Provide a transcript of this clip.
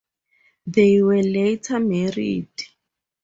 They were later married.